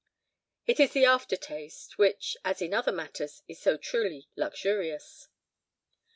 It is the after taste, which, as in other matters, is so truly luxurious.